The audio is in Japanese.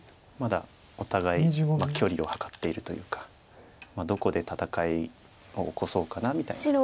まだお互い距離を測っているというかどこで戦いを起こそうかなみたいな。